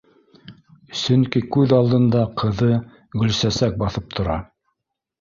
Сөнки күҙ алдында ҡыҙы Гөлсә- сәк баҫып тора